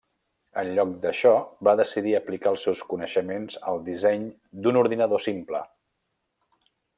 En lloc d'això, va decidir aplicar els seus coneixements al disseny d'un ordinador simple.